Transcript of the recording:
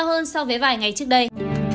cảm ơn các bạn đã theo dõi và hẹn gặp lại